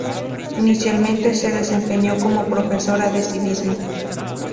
Inicialmente se desempeñó como profesora de Civismo.